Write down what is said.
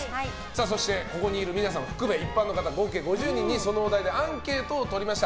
そしてここにいる皆様含め一般の方合計５０名にそのお題でアンケートを取りました。